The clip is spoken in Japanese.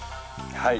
はい。